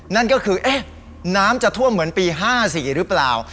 นั่นก็คือเอ๊ะน้ำจะท่วมเหมือนปี๕๔หรือเปล่า